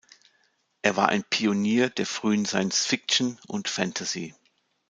Er war ein Pionier der frühen Science-Fiction und Fantasy.